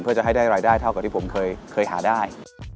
เพื่อจะให้ได้รายได้เท่ากับที่ผมเคยหาได้